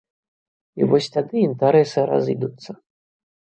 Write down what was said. І вось тады інтарэсы разыдуцца.